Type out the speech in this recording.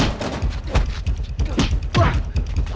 udah bantu saya